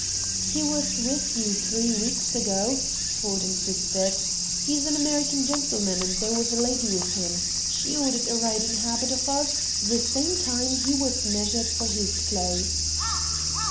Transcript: "He was with you three weeks ago," Ford insisted. "He's an American gentleman, and there was a lady with him. She ordered a riding habit of us: the same time he was measured for his clothes."